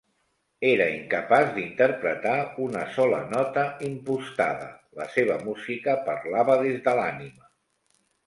Era incapaç d'interpretar una sola nota impostada; la seva música parlava des de l'ànima.